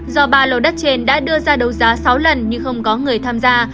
do ba lô đất trên đã đưa ra đấu giá sáu lần nhưng không có người tham gia